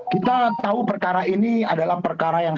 kita tahu perkara ini adalah perkara yang